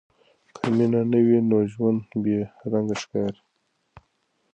که مینه نه وي، نو ژوند بې رنګه ښکاري.